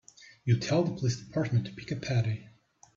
You tell the police department to pick up Eddie.